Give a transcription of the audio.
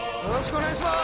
お願いします。